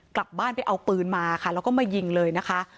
กลับบ้านไปเอาปืนมาค่ะแล้วก็มายิงเลยนะคะ